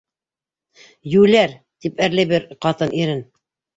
— Йүләр, — тип әрләй бер ҡатын ирен.